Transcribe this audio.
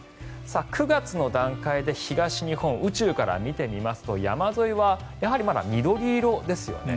９月の段階で、東日本宇宙から見てみますと山沿いはやはりまだ緑色ですよね。